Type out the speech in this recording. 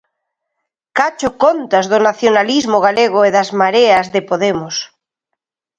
¡Cacho contas do nacionalismo galego e das Mareas de Podemos!